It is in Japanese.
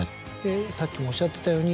さっきもおっしゃってたように。